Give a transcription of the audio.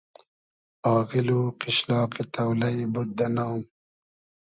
آغیل و قیشلاقی تۉلݷ بود دۂ نام